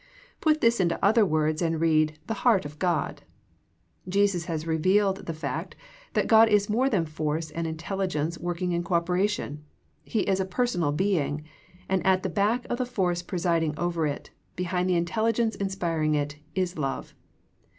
Put this into other words and read, " the heart of God." Jesus has revealed the fact that God is more than force and intelli gence working in cooperation. He is a personal Being, and at the back of the force presiding over it, behind the intelligence inspiring it, is love.